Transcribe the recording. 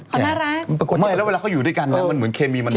เขาน่ารักไม่แล้วเวลาเขาอยู่ด้วยกันนะมันเหมือนเคมีมัน